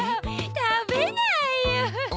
たべないよ。